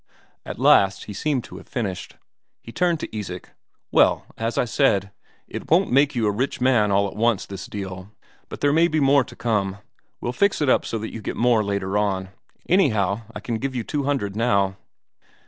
At last he seemed to have finished. He turned to Isak: "Well, as I said, it won't make you a rich man all at once, this deal. But there may be more to come. We'll fix it up so that you get more later on. Anyhow, I can give you two hundred now."